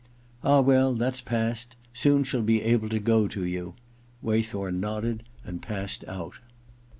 * Ah, well, that's past. Soon she'll be able to go to you.' Waythorn nodded and passed out.